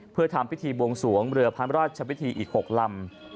เพื่อทำพิธีบวงสวงเรือพระราชพิธีอีก๖ลำ